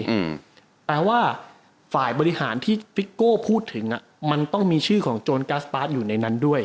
อืมแปลว่าฝ่ายบริหารที่ฟิโก้พูดถึงอ่ะมันต้องมีชื่อของโจรกัสตาร์ทอยู่ในนั้นด้วย